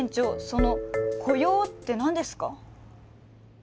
その「雇用」って何ですか？